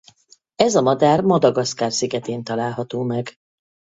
Ez a madár Madagaszkár szigetén található meg.